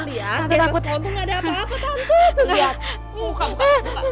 di atas bau tuh gak ada apa apa tante